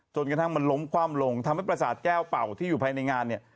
จนกระทั่งมันล้มคว่ำลงทำให้ประสาทแก้วเป่าที่อยู่ภายในงานเนี่ย